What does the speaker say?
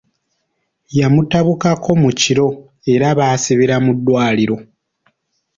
Yamutabukako mu kiro era baasibira mu ddwaliro.